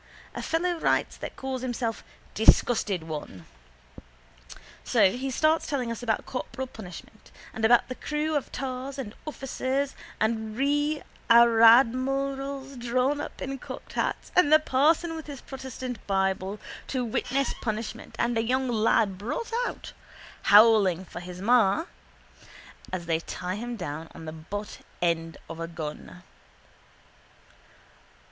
A fellow writes that calls himself Disgusted One. So he starts telling us about corporal punishment and about the crew of tars and officers and rearadmirals drawn up in cocked hats and the parson with his protestant bible to witness punishment and a young lad brought out, howling for his ma, and they tie him down on the buttend of a gun.